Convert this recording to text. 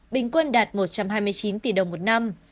bình quân đạt một trăm hai mươi chín tỷ đồng một năm